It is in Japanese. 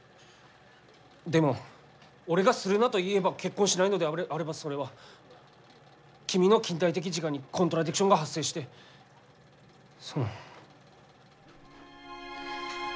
でも俺が「するな」と言えば結婚しないのであればそれは君の近代的自我にコントラディクションが発生してその。